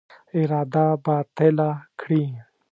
اراده باطله کړي.